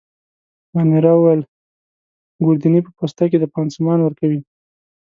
مانیرا وویل: ګوردیني په پوسته کي دی، پاسمان ورکوي.